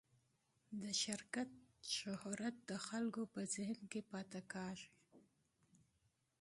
د شرکت شهرت د خلکو په ذهن کې پاتې کېږي.